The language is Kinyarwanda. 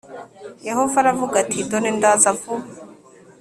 Yehova aravuga ati dore ndaza vuba